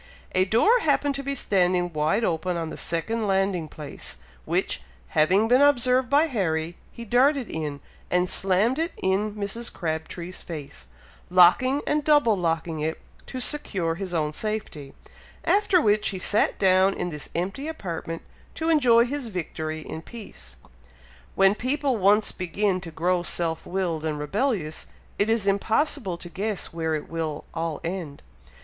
A door happened to be standing wide open on the second landing place, which, having been observed by Harry, he darted in, and slammed it in Mrs. Crabtree's face, locking and double locking it, to secure his own safety, after which he sat down in this empty apartment to enjoy his victory in peace. When people once begin to grow self willed and rebellious, it is impossible to guess where it will all end!